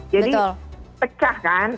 jadi pecah kan